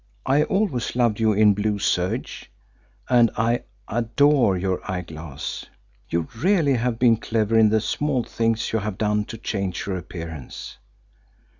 I always loved you in blue serge, and I adore your eyeglass. You really have been clever in the small things you have done to change your appearance.